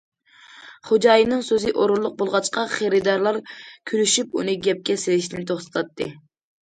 خوجايىننىڭ سۆزى ئورۇنلۇق بولغاچقا، خېرىدارلار كۈلۈشۈپ ئۇنى گەپكە سېلىشنى توختىتاتتى.